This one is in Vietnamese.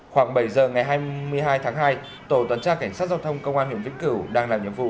khoảng bảy giờ ngày hai mươi hai tháng hai tổ tuần tra cảnh sát giao thông công an huyện vĩnh cửu đang làm nhiệm vụ